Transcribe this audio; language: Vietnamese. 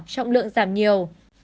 trọng lượng giảm nhiều